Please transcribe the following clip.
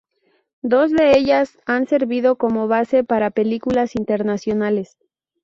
Dos de ellas han servido como base para películas internacionales.